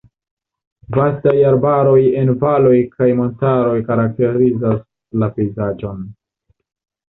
Vastaj arbaroj en valoj kaj montaroj karakterizas la pejzaĝon.